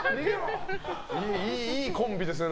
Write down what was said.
いいコンビですね